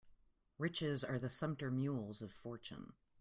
Riches are the sumpter mules of fortune.